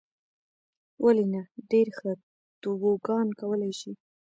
ولې نه. ډېر ښه توبوګان کولای شې.